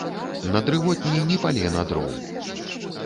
На дрывотні ні палена дроў.